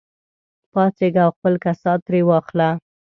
پاڅېږه او خپل کسات ترې واخله.